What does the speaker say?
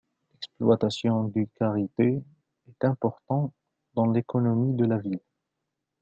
L'exploitation du karité est important dans l'économie de la ville.